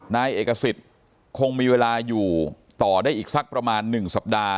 นายเอกสิทธิ์คงมีเวลาอยู่ต่อได้อีกสักประมาณ๑สัปดาห์